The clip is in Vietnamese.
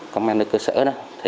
công an nước cơ sở